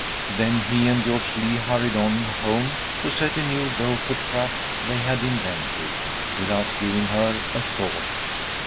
Then he and George Lee hurried on home to set a new gopher trap they had invented, without giving her a thought.